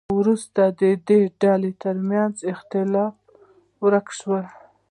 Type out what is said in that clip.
خو وروسته د دې ډلو ترمنځ اختلاف ورک شو.